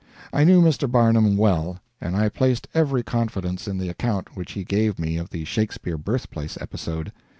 I knew Mr. Barnum well, and I placed every confidence in the account which he gave me of the Shakespeare birthplace episode.